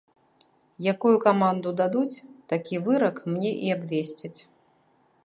Якую каманду дадуць, такі вырак мне і абвесцяць.